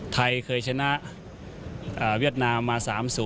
ไทยเคยชนะเวียดนามมา๓๐